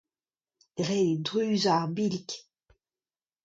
Ret eo druzañ ar billig.